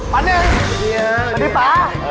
ตอนนี้สวัสดีค่ะสวัสดีป๊า